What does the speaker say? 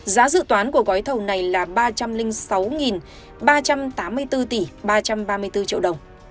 giá dự toán của gói thầu này là ba trăm linh sáu ba trăm tám mươi bốn tỷ ba trăm ba mươi bốn triệu đồng